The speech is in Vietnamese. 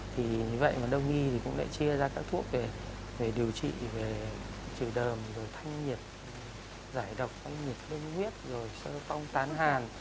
thì như vậy mà đông y cũng lại chia ra các thuốc về điều trị về chữa đờm rồi thanh nhiệt giải độc thanh nhiệt đông huyết rồi xeo tông tán hàn